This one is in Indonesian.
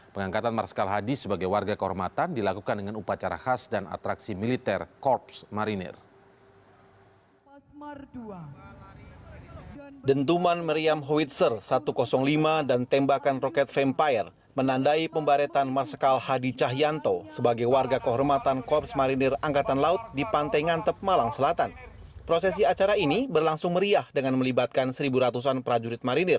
pengangkatan marskal hadi sebagai warga kehormatan dilakukan dengan upacara khas dan atraksi militer korps marinir